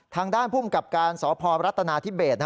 ทางด้านภูมิกับการสพรัฐนาธิเบส